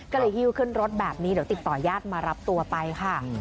ก็เลยฮิ้วขึ้นรถแบบนี้เดี๋ยวติดต่อญาติมารับตัวไปค่ะ